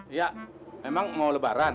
iya memang mau lebaran